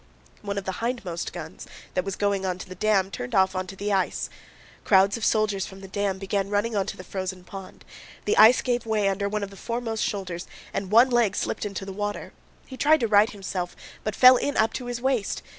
One of the hindmost guns that was going onto the dam turned off onto the ice. Crowds of soldiers from the dam began running onto the frozen pond. The ice gave way under one of the foremost soldiers, and one leg slipped into the water. He tried to right himself but fell in up to his waist.